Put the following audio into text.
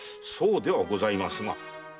そうではございますが。